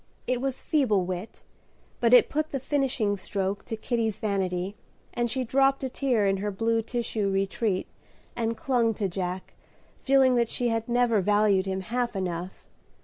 It was feeble wit, but it put the finishing stroke to Kitty's vanity, and she dropped a tear in her blue tissue retreat, and clung to Jack, feeling that she had never valued him half enough.